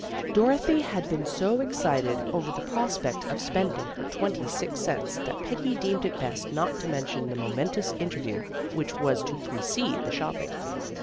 Dorothy had been so excited over the pros pect of spending her twenty six cents that Peggy deemed it best not to mention the momentous interview which was to preceed the shopping.